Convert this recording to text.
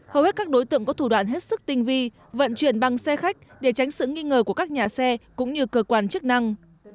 hầu hết các đối tượng có thủ đoạn hết sức tinh vi vận chuyển bằng xe khách để tránh sự nghi ngờ của các nhà xe cũng như cơ quan chức năng